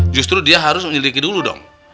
justru dia harus menyelidiki dulu dong